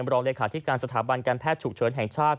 รองเลขาธิการสถาบันการแพทย์ฉุกเฉินแห่งชาติ